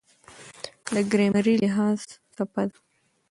دا ګرامري لحاظ څپه ده.